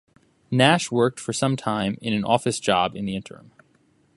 Nash worked for some time in an office job in the interim.